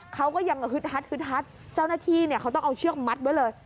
เขาก็ยังหึดฮัดเจ้าหน้าที่เขาต้องเอาเชือกมัดไว้เลย